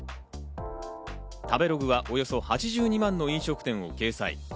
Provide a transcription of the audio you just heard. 食べログは、およそ８２万の飲食店を掲載。